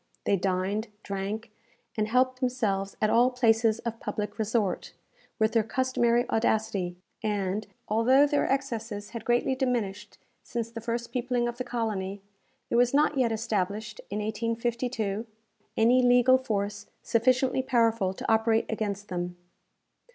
They dined, drank, and helped themselves at all places of public resort, with their customary audacity; and, although their excesses had greatly diminished since the first peopling of the colony, there was not yet established, in 1852, any legal force sufficiently powerful to operate against them.